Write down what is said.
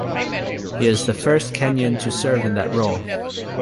He is the first Kenyan to serve in that role.